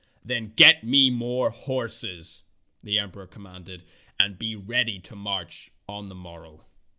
"Then get more horses," the emperor commanded, "and be ready to march on the morrow."